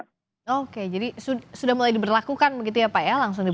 oke jadi sudah mulai diberlakukan begitu ya pak ya